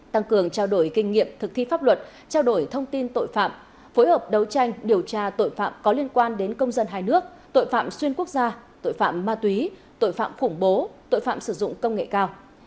tăng cường trao đổi kinh nghiệm thực thi pháp luật trao đổi thông tin tội phạm phối hợp đấu tranh điều tra tội phạm có liên quan đến công dân hai nước tội phạm xuyên quốc gia tội phạm ma túy tội phạm khủng bố tội phạm sử dụng công nghệ cao